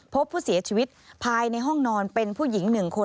พบผู้เสียชีวิตภายในห้องนอนเป็นผู้หญิง๑คน